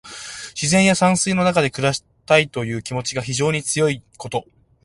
自然や山水の中で暮らしたいという気持ちが非常に強いこと。